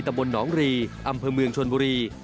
บลหนองรีอำเภอเมืองชนบุรี